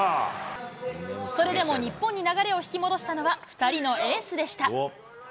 それでも日本に流れを引き戻したのは、２人のエースでした。